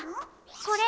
これ！